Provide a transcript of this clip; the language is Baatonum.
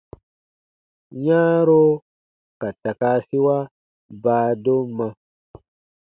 Yãaro ka takaasiwa baadomma.